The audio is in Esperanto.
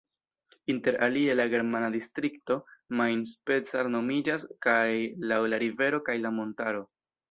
Inter alie la germana distrikto Main-Spessart nomiĝas kaj laŭ la rivero kaj la montaro.